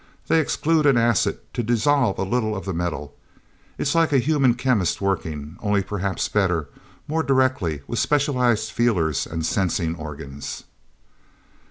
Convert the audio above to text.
They exude an acid, to dissolve a little of the metal. It's like a human chemist working. Only, perhaps, better more directly with specialized feelers and sensing organs."